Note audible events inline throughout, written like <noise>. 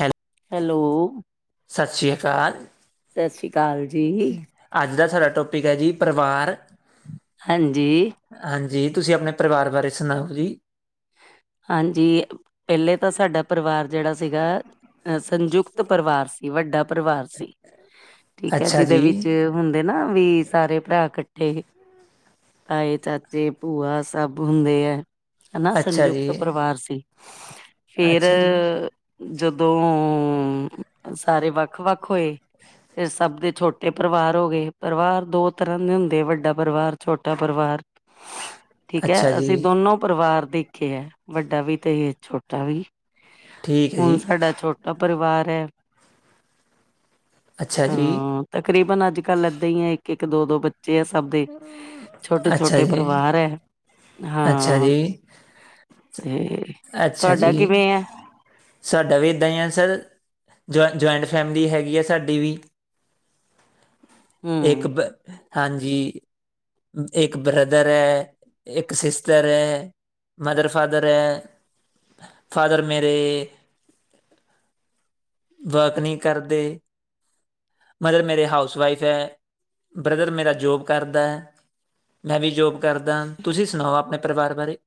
ਹੈਲ ਹੈਲੋ ਸਤਿ ਸ਼੍ਰੀ ਅਕਾਲ ਸਤਿ ਸ਼੍ਰੀ ਅਕਾਲ ਜੀ ਅੱਜ ਦਾ ਸਾਡਾ ਟੋਪਿਕ ਹੈ ਜੀ ਪਰਿਵਾਰ ਹਾਂਜੀ ਹਾਂਜੀ, ਤੁਸੀਂ ਆਪਣੇ ਪਰਿਵਾਰ ਬਾਰੇ ਸੁਣਾਓ ਜੀ। ਹਾਂਜੀ, ਪਹਿਲੇ ਤਾਂ ਸਾਡਾ ਪਰਿਵਾਰ ਜਿਹੜਾ ਸੀਗਾ ਅ ਸੰਯੁਕਤ ਪਰਿਵਾਰ ਸੀ, ਵੱਡਾ ਪਰਿਵਾਰ ਸੀ। ਠੀਕ ਹੈ, ਅੱਛਾ ਜੀ ਜਿਹਦੇ ਵਿੱਚ ਹੁੰਦੇ ਨਾ ਵੀ ਸਾਰੇ ਭਰਾ ਇਕੱਠੇ ਤਾਏ ਚਾਚੇ ਭੂਆ ਸਭ ਹੁੰਦੇ ਹੈ ਹਨਾ ਅੱਛਾ ਜੀ ਸੰਯੁਕਤ ਪਰਿਵਾਰ ਸੀ, ਫੇਰ ਅੱਛਾ ਜੀ ਜਦੋਂ ਸਾਰੇ ਵੱਖ, ਵੱਖ ਹੋਏ, ਫਿਰ ਸਭ ਦੇ ਛੋਟੇ ਪਰਿਵਾਰ ਹੋ ਗਏ, ਪਰਿਵਾਰ ਦੋ ਤਰ੍ਹਾਂ ਦੇ ਹੁੰਦੇ ਆ ਵੱਡਾ ਪਰਿਵਾਰ ਛੋਟਾ ਪਰਿਵਾਰ, ਠੀਕ ਹੈ ਅੱਛਾ ਜੀ ਅਸੀਂ ਦੋਨੋ ਪਰਿਵਾਰ ਦੇਖੇ ਹੈ, ਵੱਡਾ ਵੀ ਤੇ ਛੋਟਾ ਵੀ, ਠੀਕ ਹੈ ਹੁਣ ਜੀ ਸਾਡਾ ਛੋਟਾ ਆਪ ਪਰਿਵਾਰ ਹੈ <inaudible> ਜੀ ਹਾਂ, ਤਕਰੀਬਨ ਅੱਜ ਕੱਲ੍ਹ ਇਏਦਾਂ ਹੀ ਆ ਇੱਕ, ਇੱਕ ਦੋ, ਦੋ ਬੱਚੇ ਆ ਸਭ ਦੇ ਛੋਟੇ, ਅੱਛਾ ਛੋਟੇ ਜੀ ਪਰਿਵਾਰ ਹੈ, ਹਾਂ। ਤੇ ਤੇ ਅੱਛਾ ਤੁਹਾਡਾ ਜੀ। ਕਿਵੇਂ ਹੈ ਸਾਡਾ ਵੀ ਇੱਦਾਂ ਹੀ ਆ ਸਰ, ਜਇ ਜੁਆਇੰਟ ਫੈਮਿਲੀ ਹੈਗੀ ਆ ਸਾਡੀ ਵੀ <inaudible> ਇੱਕ, ਹਮ ਹਾਂਜੀ, ਇੱਕ ਬ੍ਰਦਰ ਹੈ ਇੱਕ ਸਿਸਟਰ ਹੈ, ਮਦਰ ਫਾਦਰ ਹੈ ਫਾਦਰ ਮੇਰੇ ਵਰਕ ਨਹੀਂ ਕਰਦੇ, ਮਦਰ ਮੇਰੇ ਹਾਊਸ ਵਾਈਫ ਹੈ। ਬ੍ਰਦਰ ਮੇਰਾ ਜੋਬ ਕਰਦਾ ਹੈ, ਮੈਂ ਵੀ ਜੋਬ ਕਰਦਾ, ਤੁਸੀਂ ਸੁਣਾਓ ਆਪਣੇ ਪਰਿਵਾਰ ਬਾਰੇ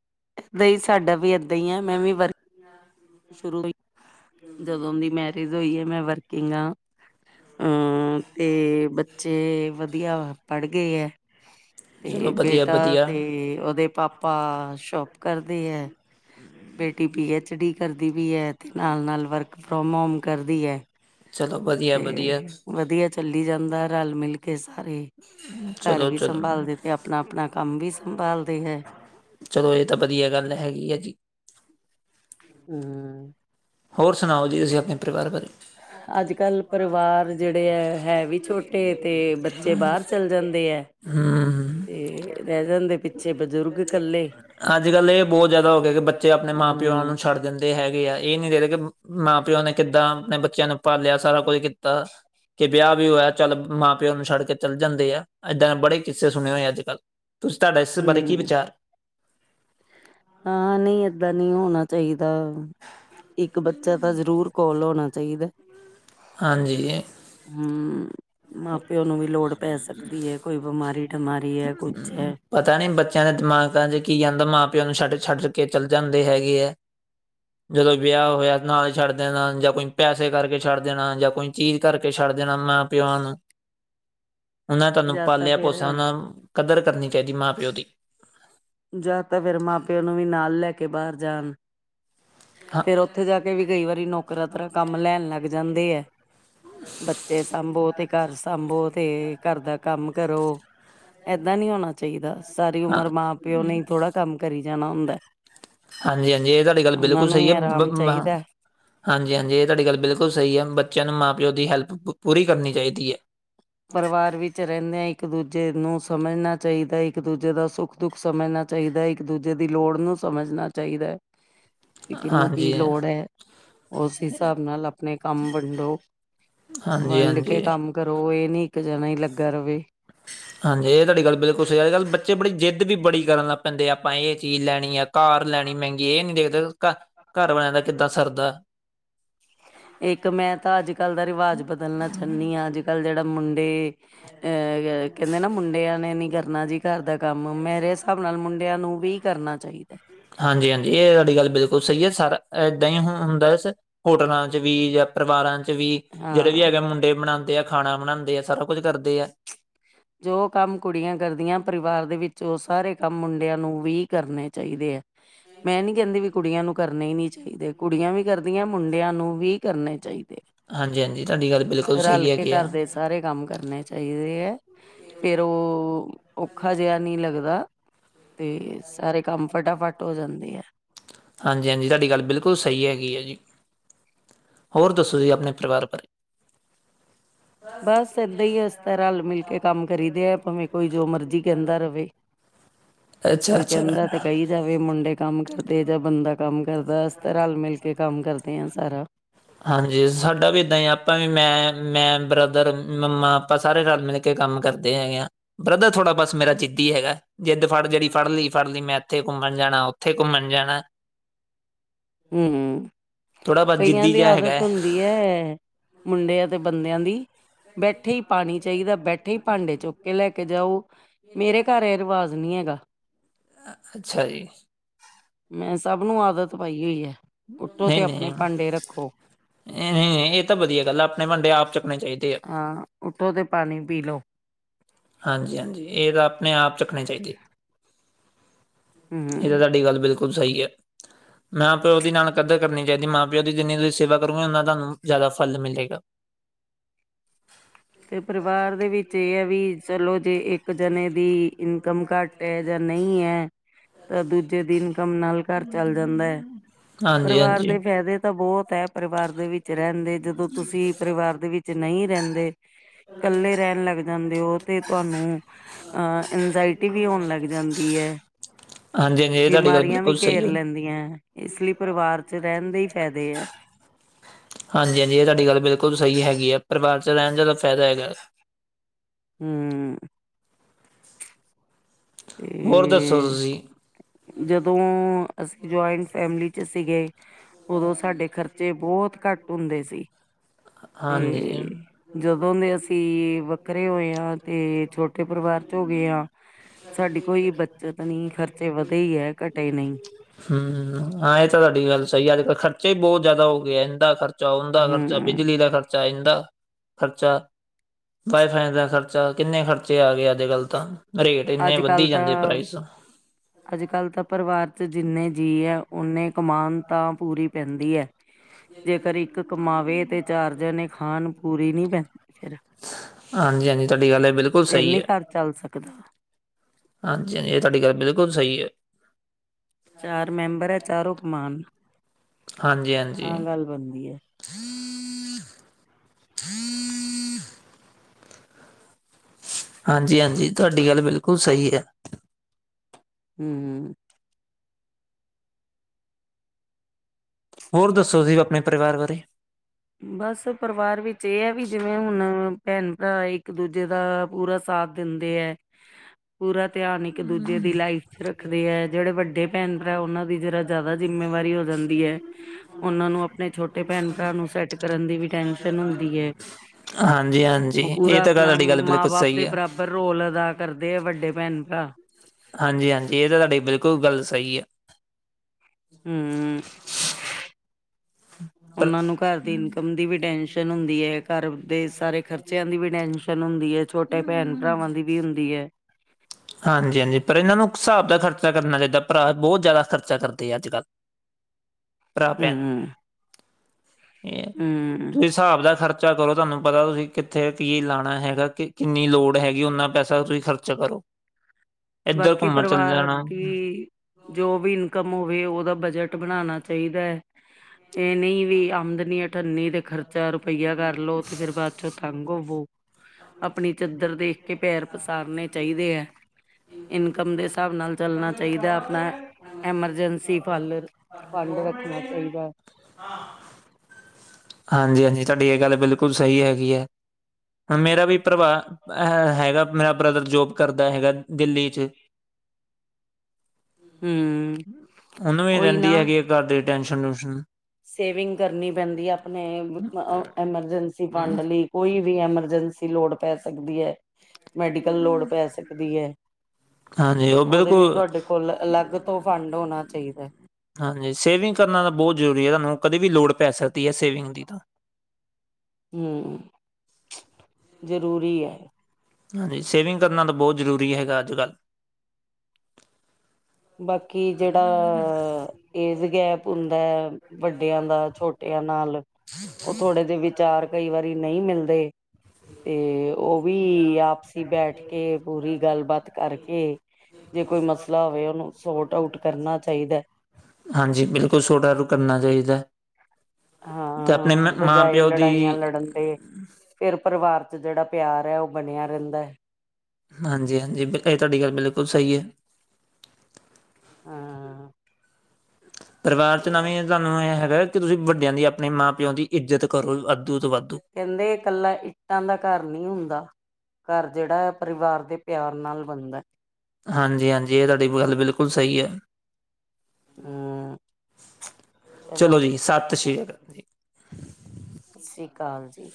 ਨਈ ਸਾਡਾ ਵੀ ਏਦਾਂ ਈ ਐ ਮੈਂ ਵੀ ਵਰਕ ਨਾ <unintelligible> ਸ਼ੁਰੂ ਹੋਈ ਜਦੋਂ ਦੀ ਮੈਰਿਜ ਹੋਈ ਆ ਮੈਂ ਵਰਕਿੰਗ ਆਂ। ਅੰ ਤੇ ਬੱਚੇ ਵਦੀਆ ਪੜ੍ਹ ਗਏ ਐ। ਤੇ ਚਲੋ ਵਧੀਆ ਬੇਟਾ ਵਧੀਆ ਤੇ ਓਦੇ ਪਾ ਪਾ ਸ਼ੋਪ ਕਰਦੀ ਐ ਬੇਟੀ ਪੀ ਐਚ ਡੀ ਕਰਦੀ ਵੀ ਐ ਤੇ ਨਾਲ-ਨਾਲ ਵਰਕ ਫਰੋਮ ਹੋਮ ਕਰਦੀ ਐ। ਚਲੋ ਵਦੀ- ਤੇ ਵਦੀਆ ਚੱਲੀ ਜਾਂਦਾ ਰਲ ਮਿਲ ਤੇ ਸਾਰੇ ਘਰ ਚਲੋ ਵੀ ਚਲੋ ਸੰਭਾਲਦੇ ਤੇ ਆਪਨਾ-ਆਪਨਾ ਕੰਮ ਵੀ ਸੰਭਾਲਦੇ ਐ। ਚਲੋ ਏ ਤਾਂ ਵਦੀਆ ਗੱਲ ਹੈਗੀ ਐ ਜੀ। ਹੂੰ ਹੋਰ ਸਨਾਓ ਜੀ ਤੁਸੀਂ ਆਪਨੇ ਪਰਿਵਾਰ ਬਾਰੇ ਅੱਜ ਕੱਲ੍ਹ ਪਰਿਵਾਰ ਜਿਹੜੇ ਹੈ ਹੈ ਵੀ ਛੋਟੇ ਤੇ ਬੱਚੇ ਬਾਹਰ ਚੱਲ ਜਾਂਦੇ ਹੈ। <inaudible> ਹੂੰ। ਤੇ ਰੈ ਜਾਂਦੇ ਪਿੱਛੇ ਬਜ਼ੁਰਗ ਕੱਲੇ ਅੱਜ ਕੱਲ ਏ ਬਹੁ ਜ਼ਾਦਾ ਹੋ ਗਿਆ ਕਿ ਬੱਚੇ ਆਪਨੇ ਮਾਂ ਪਿਓਆਂ ਨੂੰ ਹੂੰ ਛੱਡ ਦਿੰਦੇ ਹੈਗੇ ਆ। ਏ ਮੇਰੇ ਵਰਗੇ ਮਾਂ ਪਿਓਆਂ ਨੇ ਕਿੱਦਾਂ ਆਪਨੇ ਬੱਚਿਆਂ ਨੂੰ ਪਾਲਿਆ ਸਾਰਾ ਕੁਝ ਕੀਤਾ। ਕਿ ਵਿਆਹ ਵੀ ਹੋਇਆ ਚੱਲ ਮਾਂ ਪਿਓ ਨੂੰ ਛੱਡ ਕੇ ਚੱਲ ਜਾਂਦੇ ਆ ਏਦਾਂ ਦੇ ਬੜੇ ਕਿੱਸੇ ਸੁਨੇ ਹੋਏ ਅੱਜ-ਕੱਲ। ਤੁਸੀਂ ਤਾਡਾ ਏਸ ਬਾਰੇ ਕੀ ਹੂੰ ਵਿਚਾਰ ਹਾਂ ਨਈ ਏਦਾਂ ਨੀ ਹੋਨਾ ਚਾਈਦਾ ਇੱਕ ਬੱਚਾ ਤਾਂ ਜਰੂਰ ਕੋਲ ਹੋਨਾ ਚਈਦੇ ਹਾਂਜੀ। ਹੂੰ ਮਾਂ ਪਿਓ ਨੂੰ ਵੀ ਲੋੜ ਪੈ ਸਕਦੀ ਐ ਕੋਈ ਬਿਮਾਰੀ ਠਮਾਰੀ ਐ ਕੁਛ ਐ। ਪਤਾ ਨੀ ਬੱਚਿਆਂ ਦੇ ਦਮਾਗਾਂ ਚ ਕੀ ਜਾਂਦਾ ਮਾਂ ਪਿਓ ਨੂੰ ਛੱਡ-ਛੱਡ ਕੇ ਚੱਲ ਜਾਂਦੇ ਹੈਗੇ ਐ। ਜਦੋਂ ਵਿਆਹ ਹੋਏਆ ਨਾਲ ਛੱਡ ਦੇਨਾ ਜਾਂ ਕੋਈ ਪੈਸੇ ਕਰਕੇ ਛੱਡ ਦੇਨਾ ਜਾਂ ਕੋਈ ਚੀਜ਼ ਕਰਕੇ ਛੱਡ ਦੇਨਾ ਮਾਂ ਪਿਓ ਨੂੰ ਓਨਾਂ ਨੇ ਤਾਨੂੰ ਜਾਂ ਤਾਂ ਪਾਲਿਆ ਫਿਰ ਪੋਸਿਆ ਓਨਾਂ ਨੂੰ ਕਦਰ ਕਰਨੀ ਚਾਈਦੀ ਮਾਂ-ਪਿਓ ਦੀ। ਜਾਂ ਤਾਂ ਫੇਰ ਮਾਂ ਪਿਓ ਨੂੰ ਵੀ ਨਾਲ ਲੈ ਕੇ ਬਾਰ ਜਾਨ। ਹਾਂ ਫੇਰ ਓਥੇ ਜਾ ਕੇ ਵੀ ਕਈ ਵਾਰੀ ਨੌਕਰਾਂ ਤਰ੍ਹਾਂ ਕੰਮ ਲੈਨ ਲੱਗ ਜਾਂਦੇ ਐ। ਬੱਚੇ ਸਾਂਬੋ ਤੇ ਘਰ ਸਾਂਬੋ ਤੇ ਘਰ ਦਾ ਕੰਮ ਕਰੋ। ਏਦਾਂ ਨੀ ਹੋਨਾ ਚਾਈਦਾ ਸਾਰੀ ਹਾਂ ਉਮਰ ਮਾਂ-ਪਿਓ ਨੇ ਈ ਥੋੜਾ ਕੰਮ ਕਰੀ ਜਾਨਾ ਹੁੰਦੈ। ਹਾਂਜੀ-ਹਾਂਜੀ ਏ ਤਾਡੀ ਗੱਲ ਬਿਲਕੁਲ ਨੂੰ ਸਈ ਵੀ ਐ ਬ ਆਰਾਮ ਮ ਆ ਚਾਹੀਦਾ ਹਾਂਜੀ- ਹਾਂਜੀ ਏ ਤਾਡੀ ਗੱਲ ਬਿਲਕੁਲ ਸਈ ਐ ਬੱਚਿਆਂ ਨੂੰ ਮਾਂ-ਪਿਓ ਦੀ ਹੈਲਪ ਪੁ ਪੂਰੀ ਕਰਨੀ ਚਾਈਦੀ ਐ। ਪਰਿਵਾਰ ਵਿੱਚ ਰੈਨੇ ਆ ਇੱਕ ਦੂਜੇ ਨੂੰ ਸਮਝਨਾ ਚਾਈਦੈ ਇੱਕ ਦੂਜੇ ਦਾ ਸੁੱਖ ਦੁੱਖ ਸਮਝਨਾ ਚਾਈਦੈ ਇੱਕ ਦੂਜੇ ਦੀ ਲੋੜ ਨੂੰ ਸਮਝਨਾ ਚਾਈਦੈ। ਵੀ ਕਿਨੂੰ ਕੀ ਹਾਂਜੀ ਲੋੜ ਐ, ਓਸ ਹਿਸਾਬ ਨਾਲ ਆਪਨੇ ਕੰਮ ਵੰਡੋ। ਵੰਡ ਕੇ ਹਾਂਜੀ-ਹਾਂਜੀ। ਕੰਮ ਕਰੋ ਏਹ ਨੀ ਇਕ ਜਨਾ ਈ ਲੱਗਾ ਰਵੇ। ਹਾਂਜੀ ਏ ਤਾਡੀ ਗੱਲ ਬਿਲਕੁਲ ਸਈ ਅੱਜ-ਕੱਲ ਬੱਚੇ ਬੜੀ ਜਿੱਦ ਵੀ ਬੜੀ ਕਰਨ ਲੱਗ ਪੈਂਦੇ ਆ ਆਪਾਂ ਏ ਚੀਜ਼ ਲੈਨੀ ਐ। ਕਾਰ ਲੈਨੀ ਮੈਂਗੀ ਏ-ਏ ਨੀ ਦੇਖਦੇ ਘ ਘਰ ਵਾਲਿਆਂ ਦਾ ਕਿੱਦਾਂ ਸਰਦੈ। ਇੱਕ ਮੈਂ ਤਾਂ ਅੱਜ-ਕੱਲ ਦਾ ਰਵਾਜ ਬਦਲਣਾ ਚਾਨੀਂ ਆਂ ਅੱਜ-ਕੱਲ ਜੇੜਾ ਮੁੰਡੇ ਅ ਕੈਂਦੇ ਨਾ ਮੁੰਡਿਆਂ ਨੇ ਨੀ ਕਰਨਾ ਜੀ ਘਰ ਦਾ ਕੰਮ ਮੇਰੇ ਹਿਸਾਬ ਨਾਲ ਮੁੰਡਿਆਂ ਨੂੰ ਵੀ ਕਰਨਾ ਚਾਹੀਦਾ। ਹਾਂਜੀ-ਹਾਂਜੀ, ਇਹ ਤਾਡੀ ਗੱਲ ਬਿਲਕੁਲ ਸਹੀ ਐ, ਸਾਰਾ ਏਦਾਂ ਈ ਹੁ ਹੁੰਦਾ ਵੈਸੇ। ਹੋਟਲਾਂ ਚ ਵੀ ਜਾਂ ਪਰਵਾਰਾਂ ਚ ਵੀ ਹੈ। ਜੇੜੇ ਵੀ ਹਾਂ ਹੈਗੇ ਮੁੰਡੇ ਬਣਾਦੇ ਆ, ਖਾਣਾ ਬਣਾਦੇ ਆ ਸਾਰਾ ਕੁਝ ਕਰਦੇ ਆ। ਜੋ ਕੰਮ ਕੁੜੀਆਂ ਕਰਦੀਆਂ ਪਰਿਵਾਰ ਦੇ ਵਿੱਚ, ਉਹ ਸਾਰੇ ਕੰਮ ਮੁੰਡਿਆਂ ਨੂੰ ਵੀ ਕਰਨੇ ਚਾਹੀਦੇ ਐ। ਮੈਂ ਨੀ ਕਹਿੰਦੀ ਵੀ ਕੁੜੀਆਂ ਨੂੰ ਕਰਨੇ ਹੀ ਨੀ ਚਾਹੀਦੇ ਕੁੜੀਆਂ ਵੀ ਕਰਦੀਆਂ, ਮੁੰਡਿਆਂ ਨੂੰ ਵੀ ਕਰਨੇ ਚਾਹੀਦੇ। ਹਾਂਜੀ-ਹਾਂਜੀ, ਤੁਹਾਡੀ ਗੱਲ ਬਿਲਕੁਲ ਆ। ਰਲ ਸਹੀ ਕੇ ਹੈਗੀ ਐ। ਘਰ ਦੇ ਸਾਰੇ ਕੰਮ ਕਰਨੇ ਚਾਹੀਦੇ ਐ। ਫੇਰ ਓ, ਔਖਾ ਜਿਹਾ ਨਹੀਂ ਲੱਗਦਾ। ਤੇ ਸਾਰੇ ਕੰਮ ਫਟਾਫਟ ਹੋ ਜਾਂਦੇ ਐ। ਹਾਂਜੀ-ਹਾਂਜੀ, ਤੁਹਾਡੀ ਗੱਲ ਬਿਲਕੁਲ ਸਹੀ ਹੈਗੀ ਐ ਜੀ ਹੋਰ ਦੱਸੋ ਜੀ, ਆਪਣੇ ਪਰਿਵਾਰ ਬਾਰੇ। ਬਸ ਏਦਾਂ ਹੀ ਅਸੀ ਤਾ ਰਲ ਮਿਲ ਕੇ ਕੰਮ ਕਰੀ ਦੇ ਐ ਭਾਵੇਂ ਕੋਈ ਜੋ ਮਰਜ਼ੀ ਕੈਂਦਾ ਰਵੇ। ਅੱਛਾ-ਅੱਛਾ। ਵੀ ਮੁੰਡੇ ਕੰਮ ਕਰਦੇ ਜਾਂ ਬੰਦਾ ਕੰਮ ਕਰਦਾ, ਅਸੀ ਤਾਂ ਰਲ ਮਿਲ ਕੇ ਕੰਮ ਕਰਦੇ ਆ ਸਾਰਾ। ਹਾਂਜੀ, ਸਾਡਾ ਵੀ ਏਦਾਂ ਹੀ ਆਪਾਂ ਵੀ ਮੈਂ-ਮੈਂ ਬ੍ਰਦਰ ਮੰਮਾ ਐਪਾਂ ਸਾਰੇ ਰੱਲ ਮਿਲ ਕੇ ਕੰਮ ਕਰਦੇ ਹੈਗੇ ਆਂ, ਬ੍ਰਦਰ ਥੋੜ੍ਹਾ ਬਸ ਮੇਰਾ ਜਿੱਦੀ ਹੈਗਾ। ਜਿੱਦ ਫੜ ਜਿਹੜੀ ਫੜ ਲਈ ਫੜ ਲਈ ਮੈਂ ਇੱਥੇ ਘੁੰਮਣ ਜਾਣਾ ਉੱਥੇ ਘੁੰਮਣ ਜਾਣਾ। ਹੂੰ ਥੋੜਾ ਬਸ ਕਈਆਂ ਜਿੱਦੀ ਦੀ ਜਿਹਾ ਹੈਗਾ ਆਦਤ ਹੈ। ਹੁੰਦ ਦੀ ਐ, ਮੁੰਡੇ ਅਤੇ ਬੰਦਿਆਂ ਦੀ। ਬੈਠੇ ਈ ਪਾਣੀ ਚਾਹੀਦਾ, ਬੈਠੇ ਹੀ ਭਾਂਡੇ ਚੁੱਕ ਕੇ ਲੈ ਕੇ ਜਾਓ ਮੇਰੇ ਘਰ ਇਹ ਰਿਵਾਜ਼ ਨਹੀਂ ਹੈਗਾ। ਅੱਛਾ ਜੀ। ਮੈਂ ਸਭ ਨੂੰ ਆਦਤ ਪਾਈ ਹੋਈ ਐ, ਉੱਠੋ ਤੇ ਆਪਣੇ ਭਾਂਡੇ ਰੱਖੋ। ਏਂ ਏ ਏ, ਇਹ ਤਾਂ ਵਧੀਆ ਗੱਲ ਐ ਆਪਣੇ ਭਾਂਡੇ ਆਪ ਚਕਣੇ ਚਾਹੀਦੇ ਐ। ਹਾਂ ਉੱਠੋ ਤੇ ਪਾਣੀ ਪੀ ਲੋ। ਹਾਂਜੀ-ਹਾਂਜੀ, ਇਹ ਤਾਂ ਆਪਣੇ ਆਪ ਚੱਕਣੇ ਚਾਹੀਦੇ। ਇਹ ਤਾਂ ਹੂੰ ਤਾਡੀ ਗੱਲ ਬਿਲਕੁਲ ਸਹੀ ਐ। ਮਾਂ-ਪਿਓ ਦੀ ਨਾਲ ਕਦਰ ਕਰਨੀ ਚਾਹੀਦੀ, ਮਾਂ-ਪਿਓ ਦੀ ਜਿੰਨੀ ਤੁਸੀਂ ਸੇਵਾ ਕਰੋਗੇ ਉਹਨਾ ਤੁਹਾਨੂੰ ਜ਼ਿਆਦਾ ਫਲ ਮਿਲੇਗਾ। ਤੇ ਪਰਿਵਾਰ ਦੇ ਵਿੱਚ ਇਹ ਐ ਵੀ, ਚਲੋ ਜੇ ਇੱਕ ਜਣੇ ਦੀ ਇਨਕਮ ਘੱਟ ਤੇ ਜਾਂ ਨਈ ਐ <inaudible> ਤਾਂ ਦੂਜੇ ਦੀ ਇਨਕਮ ਨਾਲ ਘਰ ਚੱਲ ਜਾਂਦਾ ਹਾਂਜੀ ਪਰਿਵਾਰ ਹਾਂਜੀ ਦੇ ਫੇਦੇ ਤਾਂ ਬੋਤ ਐ। ਪਰਿਵਾਰ ਦੇ ਵਿੱਚ ਰੈਂਦੇ ਜਦੋਂ ਤੁਸੀਂ ਪਰਿਵਾਰ ਦੇ ਵਿੱਚ ਨਈ ਰੈਂਦੇ ਕੱਲੇ ਰੈਣ ਲੱਗ ਜਾਂਦੇ ਓ ਤੇ ਤੁਹਾਨੂੰ, ਅਹ ਇੰਜਾਇ ਟੀ ਵੀ ਹੋਣ ਲੱਗ ਜਾਂਦੀ ਏ ਹਾਂਜੀ ਹਾਂਜੀ ਇਹ ਤੁਹਾਡੀ ਗੱਲ ਬਿਮਾਰੀਆਂ ਵੀ ਬਿਲਕੁਲ ਘੇਰ ਸਹੀ ਹੈ ਲੈਂ ਦੀਆ ਇਸ ਲਈ ਪਰਿਵਾਰ ਚ ਰੈਣ ਦੇ ਈ ਫੈਦੇ ਐ। ਹਾਂਜੀ-ਹਾਂਜੀ ਏ ਤੁਹਾਡੀ ਗੱਲ ਬਿਲਕੁੱਲ ਸਈ ਹੈਗੀ ਐ ਪਰਿਵਾਰ ਚ ਰੈਣ ਜਾਦਾ ਫੈਦਾ ਹੈਗਾ। ਹੂੰ। ਹੂੰ ਹੋਰ ਦੱਸੋ ਤੁਸੀਂ ਜਦੋਂ ਅਸੀਂ ਜੁਇੰਟ ਫੈਮਲੀ ਚ ਸੀਗੇ ਓਦੋਂ ਸਾਡੇ ਖਰਚੇ ਬੋਤ ਘੱਟ ਹੁੰਦੇ ਸੀ। ਤੇ ਹਾਂਜੀ ਹਮ ਜਦੋਂ ਦੇ ਅਸੀਂ ਵੱਖਰੇ ਹੋਏ ਆ ਤੇ ਛੋਟੇ ਪਰਿਵਾਰ ਚ ਹੋਗੇ ਆ। ਸਾਡੀ ਕੋਈ ਬੱਚਤ ਨੀ ਖਰਚੇ ਵਧੇ ਈ ਐ ਘੱਟੇ ਨੀ। ਹੂੰ-ਹੂੰ ਐ ਤਾਂ ਤੁਹਾਡੀ ਗੱਲ ਸਈ ਆ, ਅੱਜ -ਕੱਲ੍ਹ ਖਰਚੇ ਰੀਬੋਤ ਜਦਾ ਹੋ ਗਏ ਐ ਇੰਦਾ ਖਰ ਚਾ ਉਂਦਾ ਖਰਚਾ, ਹਮ ਬਿਜਲੀ ਦਾ ਖਰਚਾ, ਇੰਦਾ, ਖਰਚਾ ਵਾਈ- ਫਾਈ ਦਾ ਖਰਚਾ, ਕਿੰਨੇ ਖਰਚੇ ਆ ਗਏ ਅੱਜ- ਕੱਲ੍ਹ ਤਾਂ, ਰੇਟ ਇੰਨੇ ਅੱਜ ਵੱਧੀ ਕੱਲ ਜਾਂਦੇ ਤਾਂ ਪ੍ਰਾਈਸ। ਅੱਜ ਕੱਲ੍ਹ ਤਾਂ ਪਰਿਵਾਰ 'ਚ ਜਿੰਨੇ ਜੀਅ ਐ ਓਨੇ ਕਮਾਨ, ਤਾਂ ਪੂਰੀ ਪੈਂਦੀ ਐ। ਜੇਕਰ ਇੱਕ ਕਮਾਵੇ, ਤੇ ਚਾਰ ਜਨੇ ਖਾਣ, ਪੂਰੀ ਨੀ ਪੈਂਦੀ ਫਿਰ। ਹਾਂਜੀ ਹਾਂਜੀ ਤੁਹਾਡੀ ਗੱਲ ਇਹ ਬਿਲਕੁਲ ਫਿਰ ਸਹੀ ਨੀ ਘਰ ਚੱਲ ਸਕਦਾ। ਹਾਂਜੀ-ਹਾਂਜੀ, ਐ ਤੁਹਾਡੀ ਗੱਲ ਬਿਲਕੁਲ ਸਈ ਐ। ਚਾਰ ਮੈਂਬਰ ਐ ਚਾਰੋ ਕਮਾਨ, ਹਾਂਜੀ ਹਾਂਜੀ ਤਾਂ ਗੱਲ ਬਣਦੀ ਐ। ਹਾਂਜੀ-ਹਾਂਜੀ, ਤੁਹਾਡੀ ਗੱਲ ਬਿਲਕੁੱਲ ਸਈ ਐ। ਹੂੰ। ਹੋਰ ਦੱਸੋ ਸੀ, ਆਪਣੇ ਪਰਿਵਾਰ ਬਾਰੇ? ਬਸ ਪਰਿਵਾਰ ਵਿੱਚ ਏ ਐ ਵੀ ਜਿਵੇਂ ਹੁਣ, ਭੈਣ ਭਰਾ ਇੱਕ ਦੂਜੇ ਦਾ ਪੂਰਾ ਸਾ ਦਿੰਦੇ ਐ, ਪੂਰਾ ਧਿਆਨ ਇ ਇੱਕ ਦੂਜੇ ਦੀ ਲਾਈਫ 'ਚ ਰੱਖਦੇ ਐ, ਜੇੜੇ ਵੱਡੇ ਭੈਣ ਭਰਾ ਓਨਾਂ ਦੀ ਜਰਾ ਜਾਦਾ ਜਿੰਮੇਵਾਰੀ ਹੋ ਜਾਂਦੀ ਐ। ਓਨਾਂ ਨੂੰ ਆਪਣੇ ਛੋਟੇ ਭੈਣ ਭਰਾ ਨੂੰ ਸੈ ਟ ਕਰਨ ਦੀ ਵੀ ਟੈਸ਼ਨ ਹੁੰਦੀ ਐ, ਹਾਂਜੀ ਹਾਂਜੀ ਓ ਇਹ ਪੂਰਾ ਤਾਂ ਗੱਲ ਆਪਣਾ ਤੁਹਾਡੀ ਗੱਲ ਮਾਂ ਬਿਲਕੁਲ ਬਾਪ ਦੇ ਸਹੀ ਹੈ ਬਰਾ ਬਰ ਰੋਲ ਅਦਾ ਕਰਦੇ ਆ ਵੱਡੇ ਭੈਣ- ਭਰਾ। ਹਾਂਜੀ-ਹਾਂਜੀ, ਏ ਤਾਂ ਤੁਹਾਡੀ ਬਿਲਕੁੱਲ ਗੱਲ ਸਈ ਆ। ਹੂੰ, ਪਰ ਉਨਾਂ ਨੂੰ ਘਰ ਦੀ ਇਨਕਮ ਦੀ ਵੀ ਟੈਸ਼ ਟਨ ਹੁੰਦੀ ਐ ਇੱਕ। ਘਰ ਦੇ ਸਾਰੇ ਖਰਚਿਆਂ ਦੀ ਵੀ ਟੈਸ਼ਨ ਹੁੰਦੀ ਐ, ਛੋਟੇ ਭੈਣ ਭਰਾਵਾਂ ਦੀ ਵੀ ਹੁੰਦੀ ਐ। ਹਾਂਜੀ-ਹਾਂਜੀ, ਪਰ ਏਨਾਂ ਨੂੰ ਹਿਸਾਬ ਦਾ ਖਰਚਾ ਕਰਨਾ ਚਾਈਦਾ, ਭਰਾ ਬੋਤ ਜਾਦਾ ਖਰਚਾ ਕਰਦੇ ਆ ਅੱਜ -ਕੱਲ੍ਹ। ਹੂੰ-ਹੂੰ ਏ, ਤੁਸੀ ਸਾਬ ਦਾ ਖਰ ਚਾ ਕਰੋ ਤੁਹਾਨੂੰ ਪਤਾ ਤੁਸੀਂ ਕਿੱਥੇ ਤੀਰ ਲਾਣਾ ਹੈਗਾ ਕਿ ਕਿੰਨੀ ਲੋੜ ਹੈਗੀ ਓਨਾ ਪੈਸਾ ਤੁਸੀਂ ਖਰਚਾ ਕਰੋ। ਇੱਧਰ ਬਾਕੀ ਘੁੰਮਣ ਚੱਲ ਪਰਿਵਾਰ ਜਾਣਾ ਦੀ ਜੋ ਵੀ ਇਨਕਮ ਹੋਵੇ, ਓਦਾ ਬਜਟ ਬਨਾਣਾ ਚਾਈਦਾ। ਏ ਨੀ ਵੀ, ਆਮਦਨੀ ਅਠੰਨੀ ਤੇ ਖਰਚਾ ਰੁਪਈਆ ਕਰਲੋ, ਤੇ ਫੇਰ ਬਾਦ 'ਚੋਂ ਤੰਗ ਹੋਵੋ। ਆਪਣੀ ਚਦਰ ਦੇਖ ਕੇ ਪੈਰ ਪਸਾਰਨੇ ਚਾਈਦੇ ਐ। ਇਨਕਮ ਦੇ ਹਿਸਾਬ ਨਾਲ ਚੱਲਣਾ ਚਾਈਦਾ ਆਪਣਾ। ਐਮਰਜੈਂਸੀ ਪਾਲਰ, ਫੰਡ ਰੱਖਣਾ ਚਾਈਦਾ। ਹਾਂ। ਹਾਂਜੀ-ਹਾਂਜੀ, ਤੁਹਾਡੀ ਏ ਗੱਲ ਬਿਲਕੁੱਲ ਸਈ ਹੈਗੀ ਐ, ਹੁਣ ਮੇਰਾ ਵੀ ਪਰਵਾ ਅ ਹ ਹੈਗਾ, ਮੇਰਾ ਬ੍ਰਦਰ ਜੋਬ ਕਰਦਾ ਹੈਗਾ ਦਿੱਲੀ 'ਚ। ਹੂੰ। ਓਨੂੰ ਵੀ ਨੀ ਉਹੀ ਰੈਂਦੀ ਨਾ ਹੈਗੀ ਆ ਘਰ ਦੇ ਟੈੈਂਸ਼ਨ ਟੂਸ਼ਨ। ਸੇਵਿੰਗ ਕਰਨੀ ਪੈਂਦੀ ਹੈ ਆਪਣੇ, ਐਮਰਜੈਂਸੀ ਫੰਡ ਲਈ, ਕੋਈ। ਵੀ ਐਮਰਜੈਂਸੀ ਲੋੜ ਪੈ ਸਕਦੀ ਹੈ, ਮੈਡੀਕਲ ਲੋੜ ਪੈ ਸਕਦੀ ਹੈ। ਹਾਂਜੀ ਉਹ ਉਹਦੇ ਲਈ ਬਿਲਕੁਲ ਤੁਹਾਡੇ ਕੋਲ, ਅਲੱਗ ਤੋਂ ਫੰਡ ਹੋਣਾ ਚਾਹੀਦਾ। ਹਾਂਜੀ, ਸੇਵਿੰਗ ਕਰਨਾ ਤਾਂ ਬਹੁਤ ਜ਼ਰੂਰੀ ਹੈ ਤੁਹਾਨੂੰ ਕਦੇ ਵੀ ਲੋੜ ਪੈ ਸਕਦੀ ਹੈ ਸੇਵਿੰਗ ਦੀ ਤਾਂ। ਹਮ, ਜ਼ਰੂਰੀ ਹੈ। ਹਾਂਜੀ, ਸੇਵਿੰਗ ਕਰਨਾ ਤਾਂ ਬਹੁਤ ਜ਼ਰੂਰੀ ਹੈਗਾ, ਅੱਜ- ਕੱਲ੍ਹ। ਬਾਕੀ ਜਿਹੜਾ, ਏਜ ਗੈਪ ਹੁੰਦਾ ਹੈ। ਵੱਡਿਆਂ ਦਾ ਛੋਟਿਆਂ ਨਾਲ। ਉਹ ਥੋੜੇ ਜ ਵਿਚਾਰ, ਕਈ ਵਾਰੀ ਨਹੀਂ ਮਿਲਦੇ। ਤੇ ਉਹ ਵੀ ਆਪਸੀ ਬੈਠ ਕੇ ਪੂਰੀ ਗੱਲਬਾਤ ਕਰਕੇ। ਜੇ ਕੋਈ ਮਸਲਾ ਹੋਵੇ ਉਹਨੂੰ ਸੋਟ ਆਊਟ ਕਰਨਾ ਚਾਈਦਾ। ਹਾਂਜੀ, ਬਿਲਕੁਲ ਸੋਲਟ ਆਊਟੋ ਕਰਨਾ ਚਾਈਦਾ। ਹਾਂ ਬਜਾਏ ਲੜਾਈਆਂ ਦੀ ਲੜਨ ਦੇ। ਫਿਰ ਪਰਿਵਾਰ ਚ ਜਿਹੜਾ ਪਿਆਰ ਐ, ਉਹ ਬਣਿਆ ਰਹਿੰਦਾ। ਹਾਂਜੀ-ਹਾਂਜੀ ਪਤਾ ਇਹ ਤੁਹਾਡੀ ਗੱਲ ਬਿਲਕੁਲ ਸਹੀ ਐ। ਹਾਂ ਪਰਿਵਾਰ ਚ ਤੇ ਨਵੇਂ ਤੁਹਾਨੂੰ ਇਹ ਹੈਗਾ, ਕਿ ਤੁਸੀਂ ਵੱਡਿਆਂ ਦੀ ਆਪਣੇ ਮਾਂ ਪਿਓ ਦੀ ਇੱਜਤ ਕਰੋ ਵਾਧੂ ਤੋਂ ਵਾਧੂ। ਕਹਿੰਦੇ ਇਕੱਲਾ ਇੱਟਾਂ ਦਾ ਘਰ ਨ੍ਹੀਂ ਹੁੰਦਾ। ਘਰ ਜਿਹੜਾ ਏ, ਪਰਿਵਾਰ ਦੇ ਪਿਆਰ ਨਾਲ ਬਣਦਾ। ਹਾਂਜੀ ਹਾਂਜੀ, ਇਹ ਤੁਹਾਡੀ ਗੱਲ ਬਿਲਕੁਲ ਸਹੀ ਐ। ਹਮ ਚਲੋ ਜੀ, ਸਤਿ ਸ੍ਰੀ ਅਕਾਲ <unintelligible> ਸਤਿ ਸ਼੍ਰੀ ਅਕਾਲ ਜੀ।